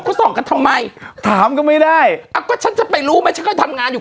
เขาส่องกันทำไมถามก็ไม่ได้อ้าวก็ฉันจะไปรู้ไหมฉันก็ทำงานอยู่